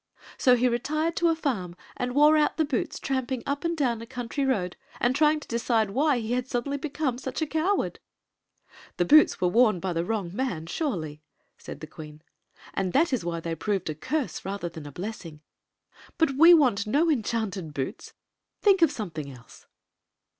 So he retired to a farm and wore out the boots tramping up and .down a country road and trying to decide why he had suddenly become such a coward." " The boots were worn by the wrong man, surely," said the queen ;" and that is why they proved a curse rather than a blessing. But we want no enchanted boots. Think of something else."